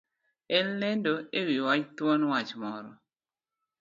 En lendo ewi wach thuon wach moro.